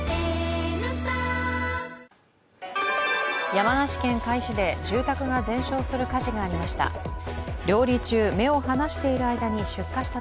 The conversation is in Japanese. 山梨県甲斐市で住宅が全焼する火事がありました。